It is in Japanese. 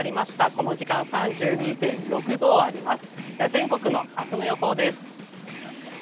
この時間３２．６度あります。